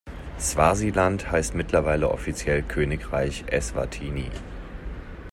Swasiland heißt mittlerweile offiziell Königreich Eswatini.